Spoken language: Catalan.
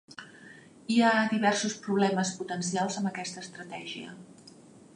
Hi ha diversos problemes potencials amb aquesta estratègia.